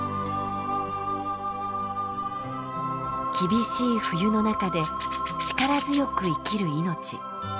厳しい冬の中で力強く生きる命。